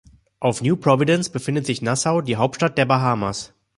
Auf New Providence befindet sich Nassau, die Hauptstadt der Bahamas.